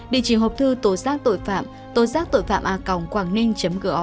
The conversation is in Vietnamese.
địa chỉ hộp thư tố giác tội phạm tố giác tội phạm a quangning gov vn thường trực hai mươi bốn trên hai mươi bốn giờ